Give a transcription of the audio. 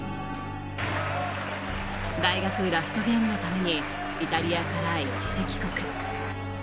大学ラストゲームのためにイタリアから一時帰国。